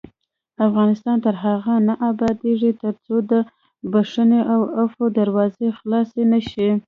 افغانستان تر هغو نه ابادیږي، ترڅو د بښنې او عفوې دروازه خلاصه نشي.